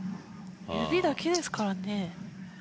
指だけですからね。